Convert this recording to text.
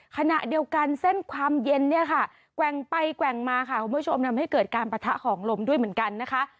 ขณะเดียวกันเส้นความเย็นเนี่ยค่ะแกว่งไปแกว่งมาค่ะคุณผู้ชมทำให้เกิดการปะทะของลมด้วยเหมือนกันนะคะ